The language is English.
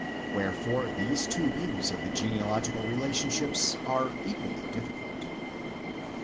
Wherefore these two views of the genealogical relationship are equally difficult.